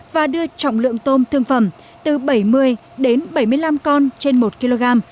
và đưa trọng lượng tôm thương phẩm từ bảy mươi đến bảy mươi năm con trên một kg